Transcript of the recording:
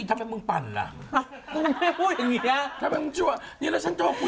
ข้าวใหม่ตามันเธอเข้าใจไหม